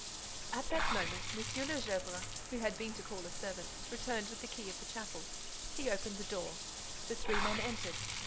At that moment, M. de Gesvres, who had been to call a servant, returned with the key of the chapel. He opened the door. The three men entered.